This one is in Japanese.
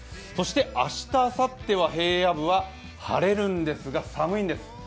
そして明日、あさっては平野部は晴れるんですが、寒いんです。